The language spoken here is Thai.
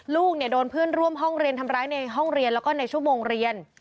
ลูกโดนเพื่อนร่วมห้องเรียนทำร้ายในห้องเรียนแล้วก็ในชั่วโมงเรียน